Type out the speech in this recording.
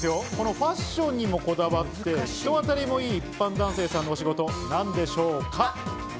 ファッションにこだわって、人当たりもいい、一般男性さんのお仕事は何でしょ